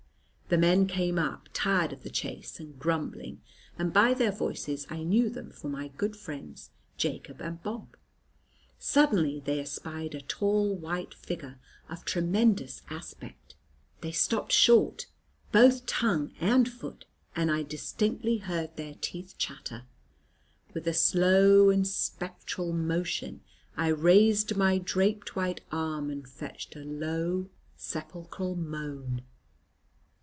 The men came up, tired of the chase, and grumbling; and by their voices I knew them for my good friends Jacob and Bob. Suddenly, they espied a tall, white figure, of tremendous aspect. They stopped short, both tongue and foot, and I distinctly heard their teeth chatter. With a slow and spectral motion, I raised my draped white arm, and fetched a low, sepulchral moan.